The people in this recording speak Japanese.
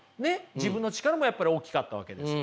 自分の力もやっぱり大きかったわけですよ。